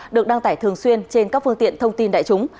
được đăng tải thường xuyên trên các phương tiện thông tin đại chúng